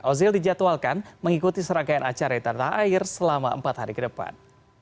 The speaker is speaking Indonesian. ozil dijadwalkan mengikuti serangkaian acara di tanah air selama empat hari ke depan